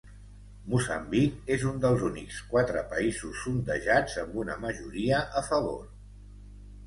Moçambic és un dels únics quatre països sondejats amb una majoria a favor.